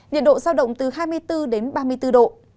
nhiệt độ giao động từ hai mươi bốn đến ba mươi bốn độ